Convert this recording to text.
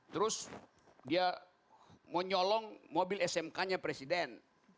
terus dia mau nyolong mobil smk nya presiden